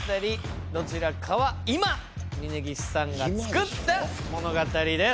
どちらかは今峯岸さんが作った物語です。